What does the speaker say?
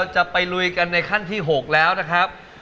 จะไปลุยกันในขั้นที่๖แล้วนะครับ